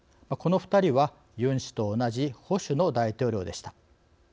この２人はユン氏と同じ保守の大統領でした。